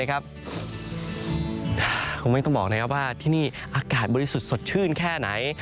คงไม่ต้องบอกว่าที่นี่อากาศบริสุทธิ์สดชื่นแค่ไหน